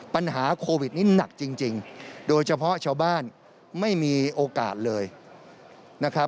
ปัญหาโควิดนี้หนักจริงโดยเฉพาะชาวบ้านไม่มีโอกาสเลยนะครับ